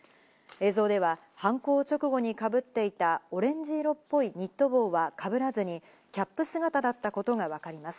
映像では犯行直後にかぶっていたオレンジ色っぽいニット帽はかぶらずに、キャップ姿だったことがわかります。